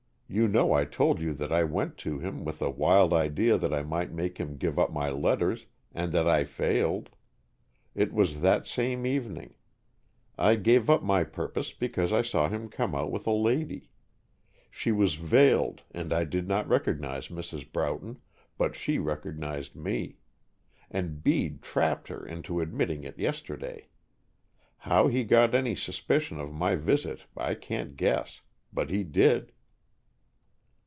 You know I told you that I went to him with a wild idea that I might make him give up my letters, and that I failed. It was that same evening. I gave up my purpose because I saw him come out with a lady. She was veiled and I did not recognize Mrs. Broughton, but she recognized me. And Bede trapped her into admitting it yesterday. How he got any suspicion of my visit, I can't guess. But he did."